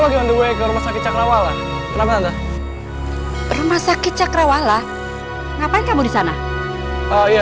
aku anak kandungnya